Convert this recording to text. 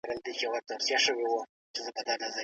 خپل ورېښتان ږمنځ کوئ.